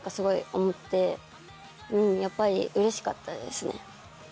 やっぱりうれしかったですね。